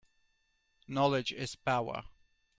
Knowledge is power.